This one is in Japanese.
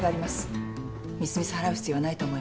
みすみす払う必要はないと思いますが。